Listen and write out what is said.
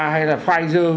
hay là pfizer